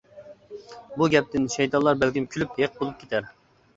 بۇ گەپتىن شەيتانلار بەلكىم كۈلۈپ ھېق بولۇپ كېتەر.